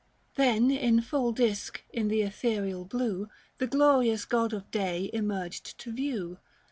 " Then in full disk in the ethereal blue The glorious god of day emerged to view.